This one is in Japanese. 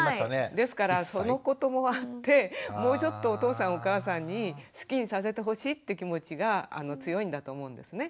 ですからそのこともあってもうちょっとお父さんお母さんに好きにさせてほしいって気持ちが強いんだと思うんですね。